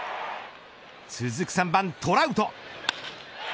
続く３番トラウト。